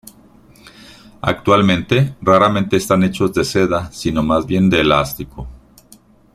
Actualmente, raramente están hechos de seda sino más bien de elástico.